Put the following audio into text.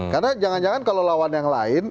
karena jangan jangan kalau lawan yang lain